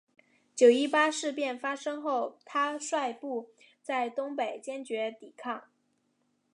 九一八事变发生后他率部在东北坚决抵抗。